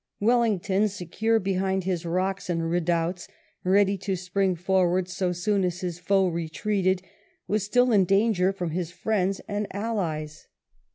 Wellington, secure behind his rocks and redoubts, ready to spring forward so soon as his foe retreated, was still in danger from his friends and allies.